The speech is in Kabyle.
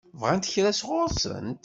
Bɣant kra sɣur-sent?